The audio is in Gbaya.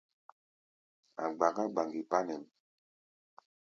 A̧ gbaŋgá gbaŋgi kpa nɛ̌ʼm.